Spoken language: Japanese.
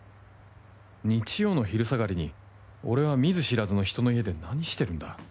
日曜の昼下がりに俺は見ず知らずの人の家で何してるんだ？